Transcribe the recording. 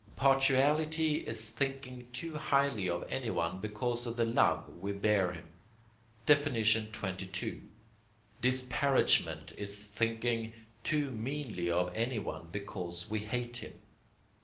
Partiality is thinking too highly of anyone because of the love we bear him. XXII. Disparagement is thinking too meanly of anyone because we hate him.